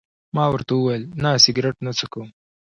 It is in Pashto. ما ورته وویل: نه، سګرېټ نه څکوم.